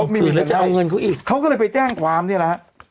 หมื่นแล้วจะเอาเงินเขาอีกเขาก็เลยไปแจ้งความเนี่ยนะฮะ